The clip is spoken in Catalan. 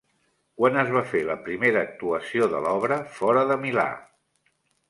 Quan es va fer la primera actuació de l'obra fora de Milà?